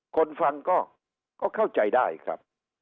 คนฟังก็เข้าใจได้ครับ